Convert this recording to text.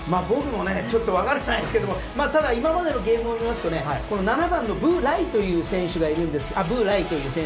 僕もちょっと分からないですけどただ、今までのゲームを見ますと７番のブ・ライという選手がいるんですが。